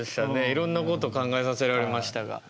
いろんなこと考えさせられましたが。